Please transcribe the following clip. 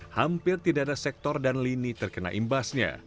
hampir tidak ada sektor dan lini terkena imbasnya